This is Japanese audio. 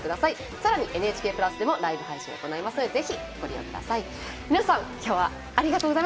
さらに「ＮＨＫプラス」でもライブ配信を行いますのでぜひご覧ください。